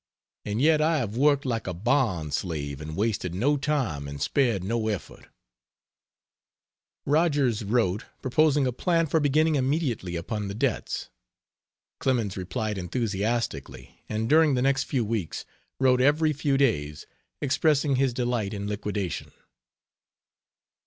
And yet I have worked like a bond slave and wasted no time and spared no effort Rogers wrote, proposing a plan for beginning immediately upon the debts. Clemens replied enthusiastically, and during the next few weeks wrote every few days, expressing his delight in liquidation.